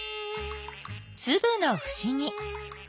つぶのふしぎ。